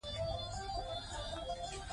ملالۍ یوه ملي اتله ده.